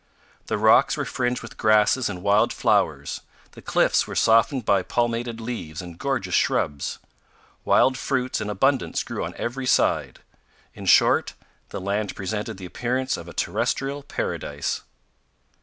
The rocks were fringed with grasses and wild flowers; the cliffs were softened by palmated leaves and gorgeous shrubs. Wild fruits in abundance grew on every side; in short, the land presented the appearance of a terrestrial paradise.